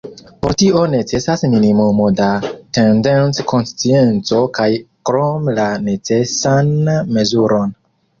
Por tio necesas minimumo da tendenc-konscienco kaj krome la necesan mezuron.